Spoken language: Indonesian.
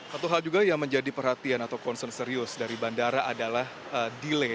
satu hal juga yang menjadi perhatian atau concern serius dari bandara adalah delay